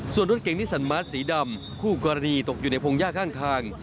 ส่วนรถเก่งนิสันมาสสีดำคู่กรณีตกอยู่ในพงหญ้าข้างทาง